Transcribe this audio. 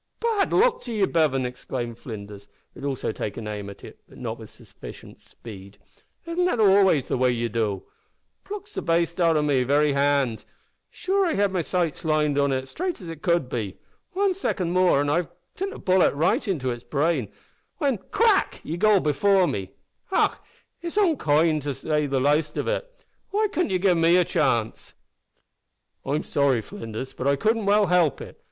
"Bad luck to ye, Bevan!" exclaimed Flinders, who had also taken aim at it, but not with sufficient speed, "isn't that always the way ye do? plucks the baste out o' me very hand. Sure I had me sights lined on it as straight as could be; wan second more an' I'd have sent a bullet right into its brain, when crack! ye go before me. Och! it's onkind, to say the laste of it. Why cudn't ye gi' me a chance?" "I'm sorry, Flinders, but I couldn't well help it.